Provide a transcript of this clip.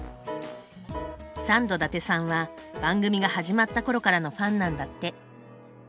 サンド伊達さんは番組が始まった頃からのファンなんだって。